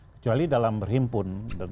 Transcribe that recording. kecuali dalam berhimpun